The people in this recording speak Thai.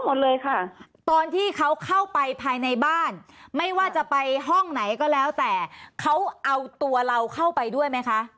ให้เขาเข้าไปภายในบ้านไม่ว่าจะไปห้องไหนก็แล้วแต่เขาเอาตัวเราเข้าไปด้วยไหมคะ